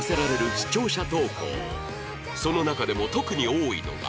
その中でも特に多いのが